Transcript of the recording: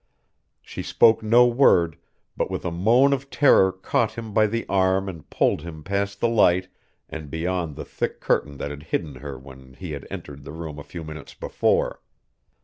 She spoke no word, but with a moan of terror caught him by the arm and pulled him past the light and beyond the thick curtain that had hidden her when he had entered the room a few minutes before.